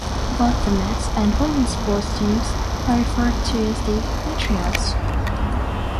Both the men's and women's sports teams are referred to as the Patriots.